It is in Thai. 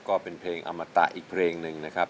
ก็เป็นเพลงอมตะอีกเพลงหนึ่งนะครับ